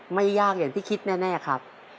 ไม่ยากอย่างที่คิดแน่ครับ